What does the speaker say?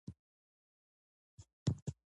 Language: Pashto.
د دې یوځای کېدو څخه مالي پانګه جوړېږي